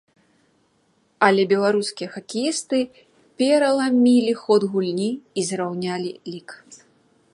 Але беларускія хакеісты пераламілі ход гульні і зраўнялі лік!